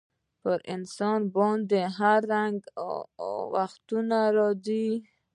پر انسان باندي هر رنګه وختونه راځي.